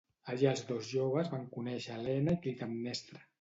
Allà els dos joves van conèixer Helena i Clitemnestra.